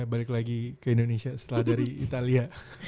balik lagi ke indonesia setelah dari italia